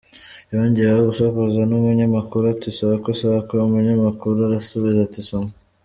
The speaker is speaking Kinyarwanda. Yongeye gusakuza n’umunyamakuru ati ‘Sakwe Sakwe’, umunyamakuru arasubiza ati ‘Soma’ .